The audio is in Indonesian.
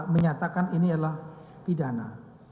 menyatakan ini adalah pidana